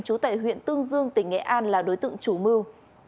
chú tệ huyện tương dương tỉnh nghệ an là đối tượng chủ mưu